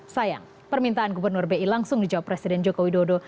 sayang permintaan gubernur bi langsung dijawab presiden joko widodo